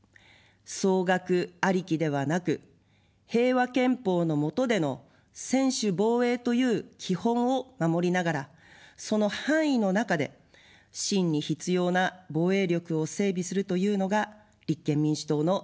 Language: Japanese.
総額ありきではなく、平和憲法の下での専守防衛という基本を守りながら、その範囲の中で真に必要な防衛力を整備するというのが立憲民主党の立場です。